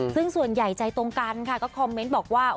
ซึ่งส่วนใหญ่ใจตรงกันค่ะก็คอมเมนต์บอกว่า